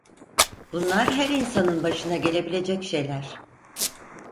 Bunlar her insanın başına gelebilecek şeyler...